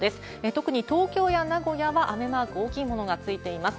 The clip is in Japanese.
特に東京や名古屋は、雨マーク大きいものがついています。